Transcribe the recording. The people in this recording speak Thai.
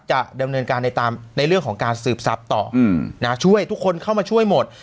จะดำเนินการในเรื่องของการสืบทรัพย์ต่อช่วยทุกคนเข้ามาช่วยหมด